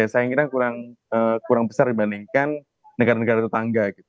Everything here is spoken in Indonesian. saya kira kurang besar dibandingkan negara negara tetangga